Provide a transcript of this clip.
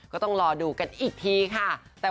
ก็ต้องรอดูกันอีกทีค่ะ